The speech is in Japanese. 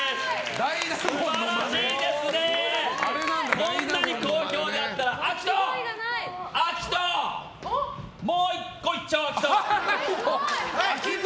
こんなに好評だったらアキト！もう１個いっちゃおうアキト！